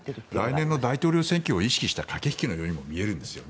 来年の大統領選挙を意識した駆け引きのようにも見えるんですよね。